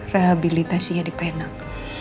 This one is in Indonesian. rehabilitasinya di penang